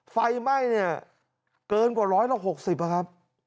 ไฟไหม้เกินกว่า๑๖๐ปีอ่ะครับ